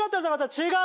違う！